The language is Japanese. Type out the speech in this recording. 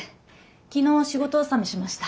昨日仕事納めしました。